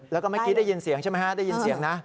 แล้วก็เมื่อกี้ได้ยินเสียงใช่ไหมฮะได้ยินเสียงนะ